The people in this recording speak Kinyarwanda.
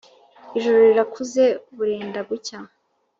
Ijoro rirakuze burenda gucya